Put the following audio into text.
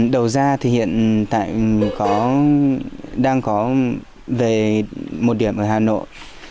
đầu ra thì hiện tại đang có về một điểm ở hà nội